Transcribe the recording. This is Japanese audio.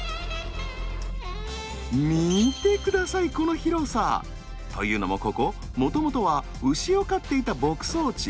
見て下さいこの広さ。というのもここもともとは牛を飼っていた牧草地。